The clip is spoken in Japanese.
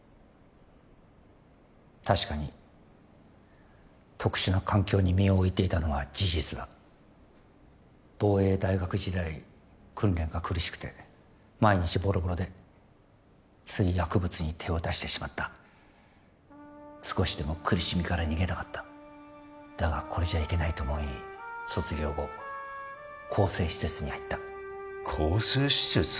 確かに特殊な環境に身を置いていたのは事実だ防衛大学時代訓練が苦しくて毎日ボロボロでつい薬物に手を出してしまった少しでも苦しみから逃げたかっただがこれじゃいけないと思い卒業後更生施設に入った更生施設？